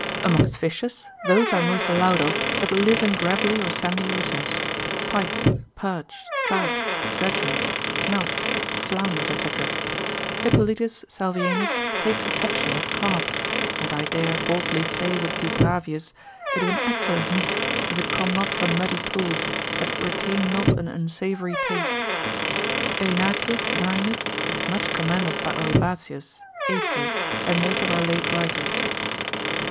Amongst fishes, those are most allowed of, that live in gravelly or sandy waters, pikes, perch, trout, gudgeon, smelts, flounders, &c. Hippolitus Salvianus takes exception at carp; but I dare boldly say with Dubravius, it is an excellent meat, if it come not from muddy pools, that it retain not an unsavoury taste. Erinacius Marinus is much commended by Oribatius, Aetius, and most of our late writers.